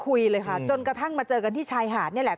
คุยเลยค่ะจนกระทั่งมาเจอกันที่ชายหาดนี่แหละ